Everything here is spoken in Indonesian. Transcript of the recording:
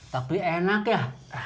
tapi enak ya